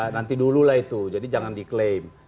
nanti dululah itu jadi jangan diklaim